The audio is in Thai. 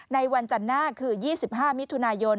ในวันจันทร์หน้าคือ๒๕มิถุนายน